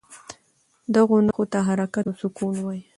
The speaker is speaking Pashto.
دغو نښو ته حرکات او سکون وايي.